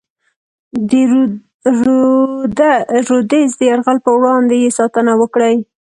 د رودز د یرغل پر وړاندې یې ساتنه وکړي.